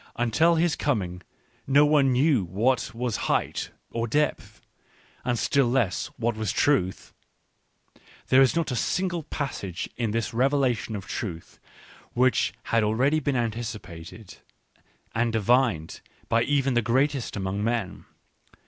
Until his coming no one knew what was height, or depth, and still less what was truth. There is not a single passage in this revelation of truth which had already been anticipated ancT divined by even the greatest among men.